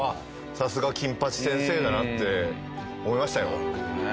さすが金八先生だなって思いましたよ。